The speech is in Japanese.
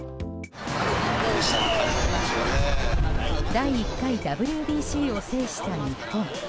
第１回ＷＢＣを制した日本。